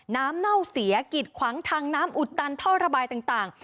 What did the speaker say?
เน่าเสียกิดขวางทางน้ำอุดตันท่อระบายต่าง